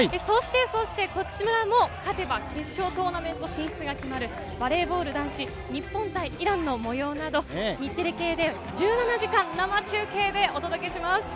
そして、こちらも勝てば決勝トーナメント進出が決まるバレーボール男子、日本対イランの模様など、日テレ系で１７時間、生中継でお届けします。